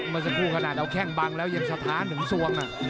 ก็สักครู่ขนาดเอาแข้งบังแล้วยังสะท้าหนึ่งส่วง